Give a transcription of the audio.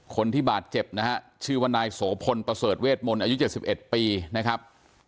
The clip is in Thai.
คนที่บาดเจ็บนะฮะชื่อว่านายโสพลประเสริฐเวทมนต์อายุ๗๑ปีนะครับ